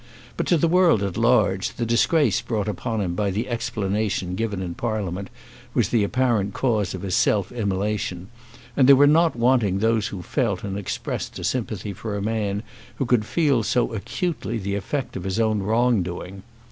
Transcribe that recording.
But to the world at large, the disgrace brought upon him by the explanation given in Parliament was the apparent cause of his self immolation, and there were not wanting those who felt and expressed a sympathy for a man who could feel so acutely the effect of his own wrong doing.